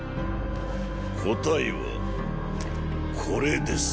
答えはこれです。